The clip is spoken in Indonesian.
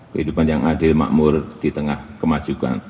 kehidupan yang adil makmur di tengah kemajukan